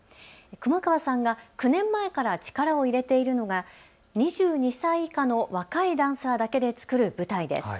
熊川さんが９年前から力を入れているのが２２歳以下の若いダンサーだけで作る舞台です。